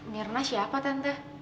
mirna siapa tante